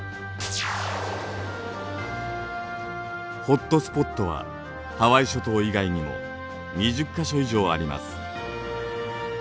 ホットスポットはハワイ諸島以外にも２０か所以上あります。